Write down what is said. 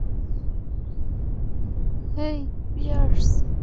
হেই, porous!